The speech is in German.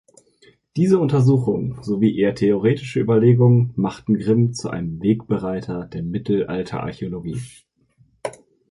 Diese Untersuchungen sowie eher theoretische Überlegungen machten Grimm zu einem Wegbereiter der Mittelalterarchäologie.